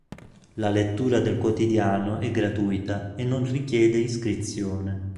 La lettura del quotidiano è gratuita e non richiede iscrizione.